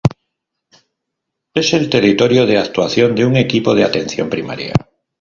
Es el territorio de actuación de un Equipo de Atención Primaria.